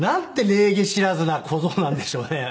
礼儀知らずな小僧なんでしょうね。